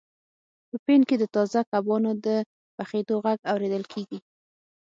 په پین کې د تازه کبانو د پخیدو غږ اوریدل کیږي